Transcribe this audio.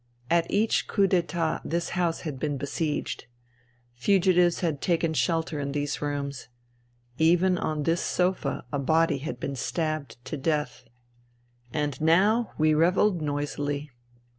At each coup d'iUit this house had been besieged. Fugitives had taken shelter in these rooms. Even on this sofa a body had been stabbed to death. And now we revelled noisily.